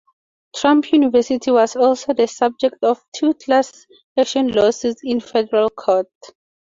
Trump University was also the subject of two class action lawsuits in federal court.